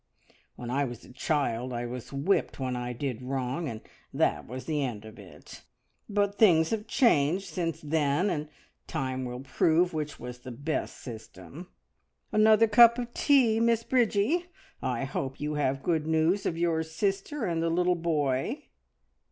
"Humph! When I was a child I was whipped when I did wrong, and that was the end of it. But things have changed since then, and time will prove which was the best system. Another cup of tea, Miss Bridgie? I hope you have good news of your sister and the little boy?"